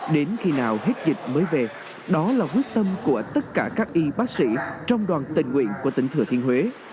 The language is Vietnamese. đến khi nào hết dịch mới về đó là quyết tâm của tất cả các y bác sĩ trong đoàn tình nguyện của tỉnh thừa thiên huế